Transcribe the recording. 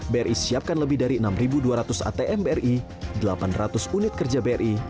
bri siapkan lebih dari enam dua ratus atm bri delapan ratus unit kerja bri